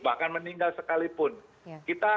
bahkan meninggal sekalipun kita